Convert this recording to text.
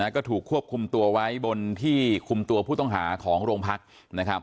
ก็ถูกควบคุมตัวไว้บนที่คุมตัวผู้ต้องหาของโรงพัก